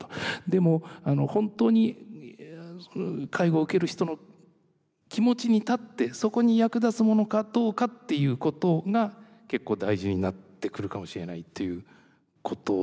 でも本当に介護を受ける人の気持ちに立ってそこに役立つものかどうかっていうことが結構大事になってくるかもしれないということですね。